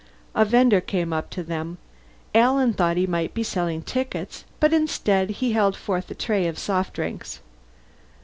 A vender came up to them. Alan thought he might be selling tickets, but instead he held forth a tray of soft drinks.